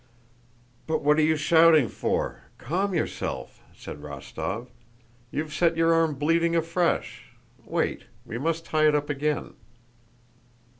"But what are you shouting for? Calm yourself," said Rostóv. "You've set your arm bleeding afresh. Wait, we must tie it up again."